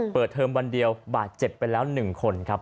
เทอมวันเดียวบาดเจ็บไปแล้ว๑คนครับ